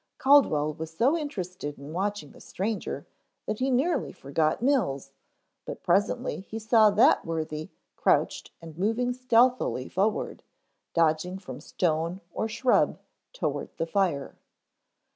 Caldwell was so interested in watching the stranger that he nearly forgot Mills, but presently he saw that worthy crouched and moving stealthily forward, dodging from stone or shrub toward the fire.